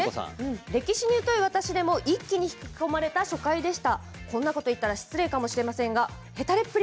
歴史に疎い私でも一気に引き込まれた初回でした。